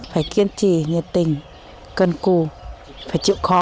phải kiên trì nhiệt tình cân cù phải chịu khó